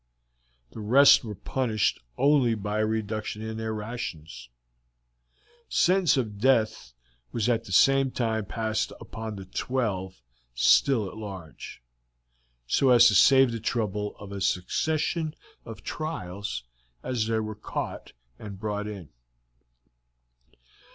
The rest were punished only by a reduction in their rations; sentence of death was at the same time passed upon the twelve still at large, so as to save the trouble of a succession of trials as they were caught and brought in.